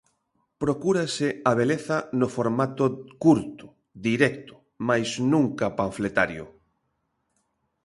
Procúrase a beleza no formato curto, directo, mais nunca panfletario.